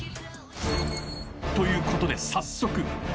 ということで早速］